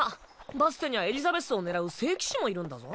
バステにゃエリザベスを狙う聖騎士もいるんだぞ。